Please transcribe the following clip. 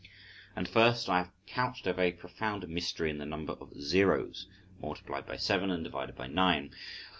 And first, I have couched a very profound mystery in the number of 0's multiplied by seven and divided by nine.